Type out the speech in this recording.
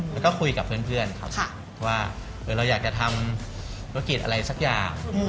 แล้วก็คุยกับเพื่อนครับว่าเราอยากจะทำธุรกิจอะไรสักอย่าง